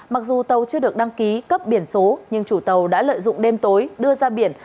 mặc dù tàu chưa được đăng ký cấp biển số nhưng chủ tàu đã lợi dụng đêm tối đưa ra biển